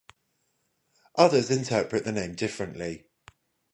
Others interpret the name differently.